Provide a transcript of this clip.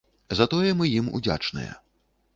За тое мы ім удзячныя.